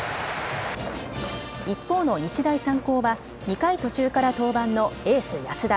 一方の日大三高は、２回途中から登板のエース・安田。